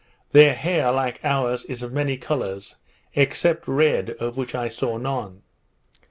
Their hair, like ours, is of many colours, except red, of which I saw none.